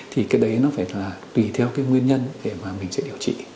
thì cái đấy nó phải là tùy theo cái nguyên nhân để mà mình sẽ điều trị